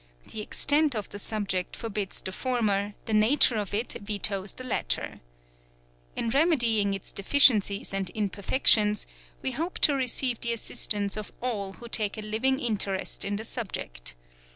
The extent of the subject forbids the former, the nature of it vetoes the latter. In remedying its deficiencies and imperfections, we hope to receive the assistance of all who take a living interest in the subject.